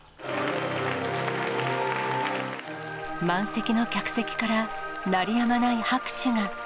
満席の客席から、鳴りやまない拍手が。